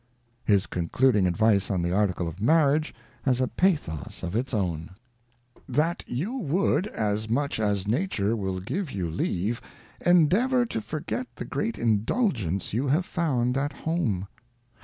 His concluding advice on the article of marriage has a pathos of its own :' That you would, as much as Nature will give you leave, endeavour to forget the great Indulgence you have found at home.